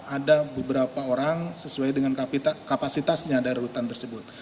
ada beberapa orang sesuai dengan kapasitasnya dari rutan tersebut